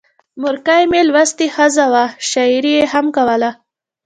مورکۍ مې لوستې ښځه وه، شاعري یې هم کوله.